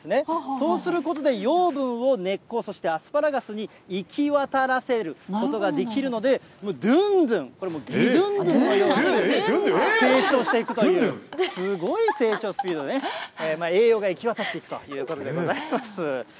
そうすることで養分を根っこ、そしてアスパラガスにいきわたらせることができるので、もうどぅんどぅん、どぅんどぅん成長していくということで、すごい成長スピードでね、栄養がいきわたっていくということでございます。